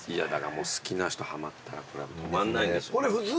だからもう好きな人はまったらこれは止まんないんでしょう。